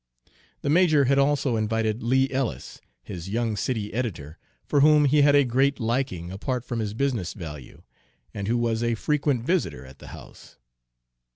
The major had also invited Lee Ellis, his young city editor, for whom he had a great liking apart from his business value, and who was a frequent visitor at the house.